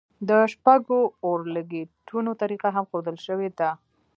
د شپږو اورلګیتونو طریقه هم ښودل شوې ده.